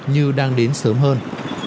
chúng tôi đang đến sớm hơn